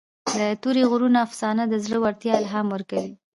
د تورې غرونو افسانه د زړه ورتیا الهام ورکوي.